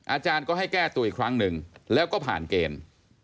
อาจารย์ก็ให้แก้ตัวอีกครั้งหนึ่งแล้วก็ผ่านเกณฑ์